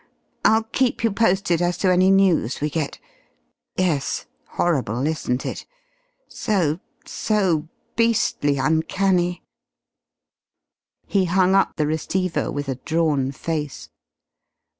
I'll keep you posted as to any news we get. Yes horrible, isn't it? So so beastly uncanny...." He hung up the receiver with a drawn face.